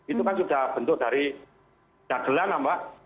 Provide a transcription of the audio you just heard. itu kan sudah bentuk dari jadilan mbak